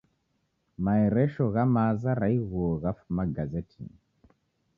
Maeresho gha maza ra ighuo ghafuma igazetinyi